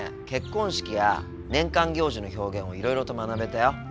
結婚式や年間行事の表現をいろいろと学べたよ。